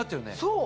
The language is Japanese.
そう！